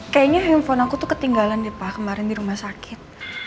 kayaknya handphone aku tuh ketinggalan nih pak kemarin di rumah sakit